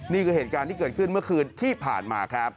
นี่คือเหตุการณ์ที่เกิดขึ้นเมื่อคืนที่ผ่านมาครับ